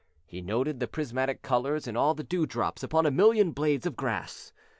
He noted the prismatic colors in all the dewdrops upon a million blades of grass.